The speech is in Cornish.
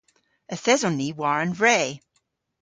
Yth eson ni war an vre.